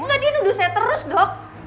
enggak dia nuduh saya terus dok